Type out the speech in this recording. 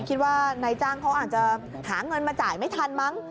คิดว่านายจ้างเขาอาจจะหาเงินมาจ่ายไม่ทันมั้ง